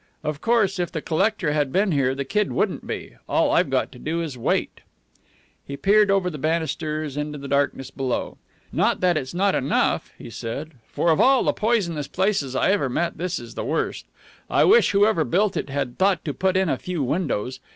"Of course, if the collector had been here, the kid wouldn't be. All I've got to do is to wait." He peered over the banisters into the darkness below. "Not that it's not enough," he said; "for of all the poisonous places I ever met this is the worst. I wish whoever built it had thought to put in a few windows.